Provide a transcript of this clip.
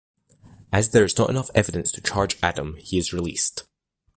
As there is not enough evidence to charge Adam, he is released.